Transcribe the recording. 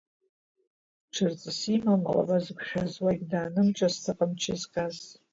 Ҽырҵыс имам алаба зықәшәаз, уагь даанымҿаст аҟамчы зҟьаз!